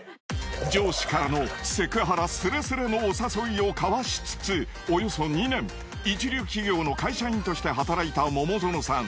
上司からのセクハラすれすれのお誘いをかわしつつおよそ２年一流企業の会社員として働いた桃園さん。